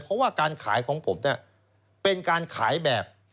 เพราะว่าการขายของผมเป็นการขายแบบ